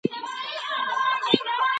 انسان باید د سالمې غذا د اهمیت په اړه پوه شي.